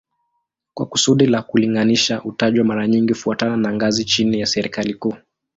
Kwa kusudi la kulinganisha hutajwa mara nyingi kufuatana na ngazi chini ya serikali kuu